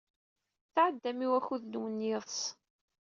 Tɛeddam i wakud-nwen n yiḍes.